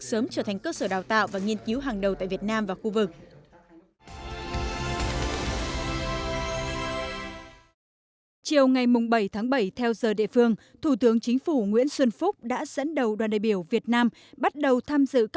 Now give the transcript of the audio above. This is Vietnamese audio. sớm trở thành cơ sở đào tạo và nghiên cứu hàng đầu tại việt nam và khu vực